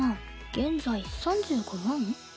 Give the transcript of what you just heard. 現在３５万？